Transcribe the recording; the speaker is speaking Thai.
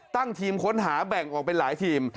ตั้งทีมค้นหาแบ่งออกเป็นหลายทีม